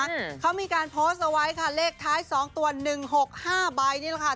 อืมเขามีการโพสต์เอาไว้ค่ะเลขท้ายสองตัวหนึ่งหกห้าใบนี่แหละค่ะ